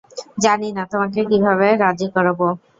জানি না তোমাকে কীভাবে রাজি করাব!